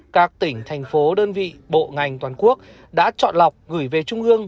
các tỉnh thành phố đơn vị bộ ngành toàn quốc đã chọn lọc gửi về trung ương